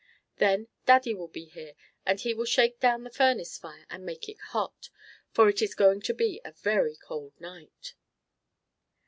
Then Daddy will be here, and he will shake down the furnace fire, and make it hot, for it is going to be a very cold night."